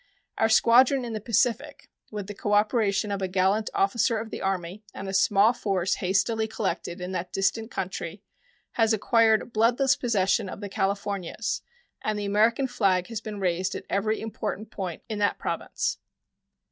Our squadron in the Pacific, with the cooperation of a gallant officer of the Army and a small force hastily collected in that distant country, has acquired bloodless possession of the Californias, and the American flag has been raised at every important point in that Province.